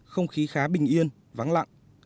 không khí khá bình yên vắng lặng